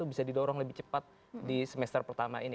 bisa didorong lebih cepat di semester pertama ini